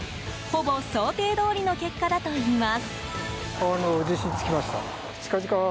ほぼ想定どおりの結果だといいます。